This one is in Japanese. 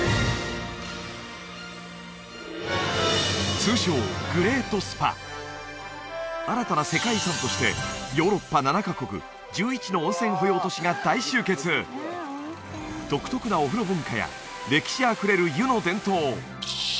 通称グレート・スパ新たな世界遺産としてヨーロッパ７カ国１１の温泉保養都市が大集結独特なお風呂文化や歴史あふれる湯の伝統